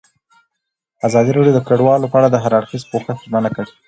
ازادي راډیو د کډوال په اړه د هر اړخیز پوښښ ژمنه کړې.